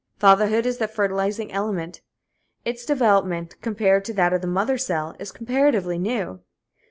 Fatherhood is the fertilizing element. Its development, compared to that of the mother cell, is comparatively new.